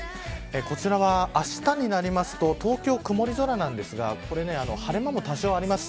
こちらは、あしたになりますと東京、曇り空ですが晴れ間も多少あります。